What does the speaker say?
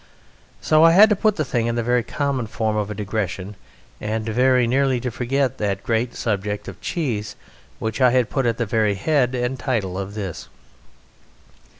So I had to put the thing in the very common form of a digression, and very nearly to forget that great subject of cheese which I had put at the very head and title of this.